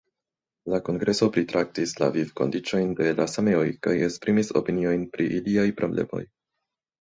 La kongreso pritraktis la vivkondiĉojn de la sameoj kaj esprimis opiniojn pri iliaj problemoj.